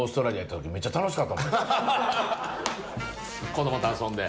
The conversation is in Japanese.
子供と遊んで。